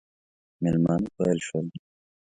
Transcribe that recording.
مېلمانه پیل شول.